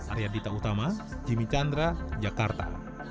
arya dita utama jimmy chandra jakarta